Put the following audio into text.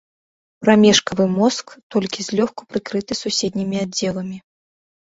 Прамежкавы мозг толькі злёгку прыкрыты суседнімі аддзеламі.